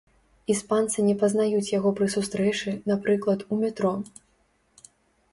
Іспанцы не пазнаюць яго пры сустрэчы, напрыклад, у метро.